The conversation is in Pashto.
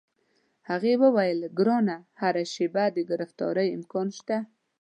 هغې وویل: ګرانه، هره شیبه د ګرفتارۍ امکان شته.